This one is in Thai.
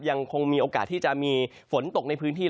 ยังคงมีโอกาสที่จะมีฝนตกในพื้นที่